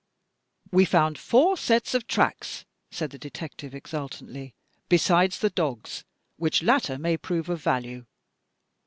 "We found four sets of tracks,'* said the detective, exultantly, "besides the dog's, which latter may prove of value.